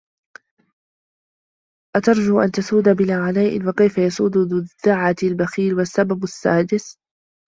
أَتَرْجُو أَنْ تَسُودَ بِلَا عَنَاءٍ وَكَيْفَ يَسُودُ ذُو الدَّعَةِ الْبَخِيلُ وَالسَّبَبُ السَّادِسُ